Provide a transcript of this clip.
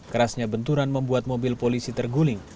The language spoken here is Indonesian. kerasnya benturan membuat mobil polisi terguling